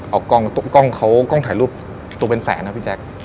เอากล้องเขากล้องถ่ายรูปตัวเป็นแสนนะพี่แจ๊ค